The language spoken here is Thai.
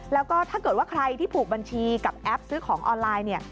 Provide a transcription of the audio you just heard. แล้วก็ถ้าเกิดว่าใครที่ผูกบัญชีกับแอปซื้อของออนไลน์เนี่ย